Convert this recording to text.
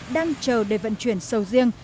đang chờ để vận chuyển sầu riêng